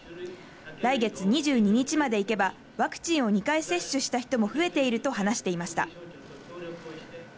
来月２２日までいけばワクチンを２回接種した人も増えていると話しました。